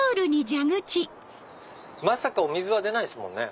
まさかお水は出ないですもんね？